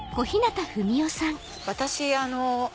私あの。